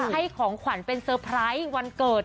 ให้ของขวัญเป็นเซอร์ไพรส์วันเกิด